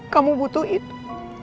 kamu butuh itu